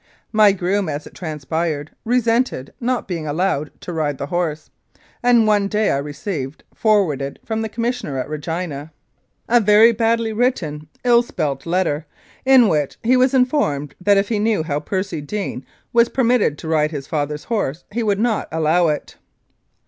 My groom, as it transpired, resented not being allowed to ride the horse, and one day I received, forwarded from the Commissioner at Regina. 303 Mounted Police Life in Canada a very badly written, ill spelt letter, in which he was informed that if he knew how Percy Deane was per mitted to ride his father's horse he would not allow it.